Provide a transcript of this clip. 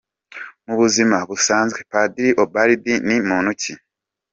Mu buzima busanzwe Padiri Ubald ni muntu ki?.